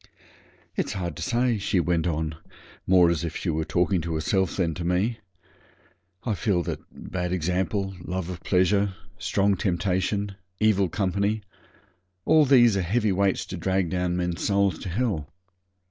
'It's hard to say,' she went on, more as if she was talking to herself than to me; 'I feel that. Bad example love of pleasure strong temptation evil company all these are heavy weights to drag down men's souls to hell.